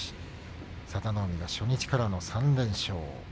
佐田の海が初日から３連勝。